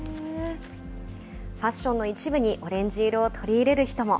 ファッションの一部にオレンジ色を取り入れる人も。